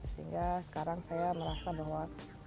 sehingga sekarang saya merasa bahwa